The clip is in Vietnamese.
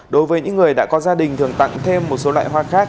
đối với những người đã có gia đình thường tặng thêm một số loại hoa khác